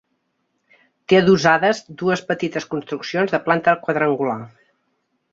Té adossades dues petites construccions de planta quadrangular.